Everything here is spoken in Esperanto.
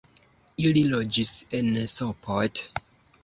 Ili loĝis en Sopot.